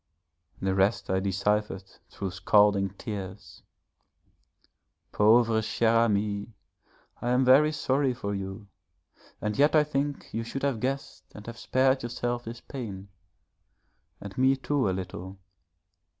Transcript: The rest I deciphered through scalding tears. 'Pauvre cher Ami, I am very sorry for you, and yet I think you should have guessed and have spared yourself this pain, and me too a little.